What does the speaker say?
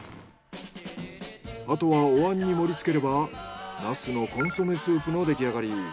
あとはおわんに盛りつければナスのコンソメスープのできあがり。